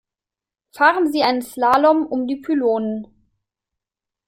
Fahren Sie einen Slalom um die Pylonen.